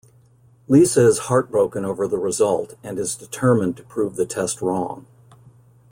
Lisa is heartbroken over the result and is determined to prove the test wrong.